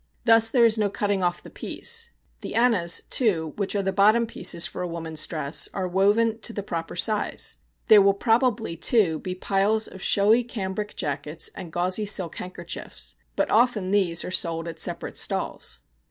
Thus, there is no cutting off the piece. The anas, too, which are the bottom pieces for a woman's dress, are woven the proper size. There will probably, too, be piles of showy cambric jackets and gauzy silk handkerchiefs; but often these are sold at separate stalls.